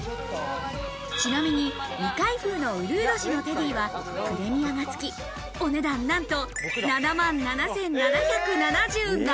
ちなみに未開封の、うるう年のテディはプレミアがつき、お値段なんと７万７７７７円。